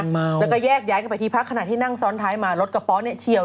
เมาแล้วก็แยกย้ายกันไปที่พักขณะที่นั่งซ้อนท้ายมารถกระป๋อเนี่ยเฉียว